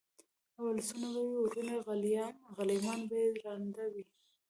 اولسونه به وي وروڼه غلیمان به یې ړانده وي